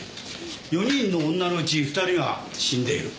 ４人の女のうち２人が死んでいる。